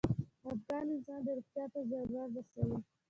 خپګان انسان د روغتيا ته ضرر رسوي.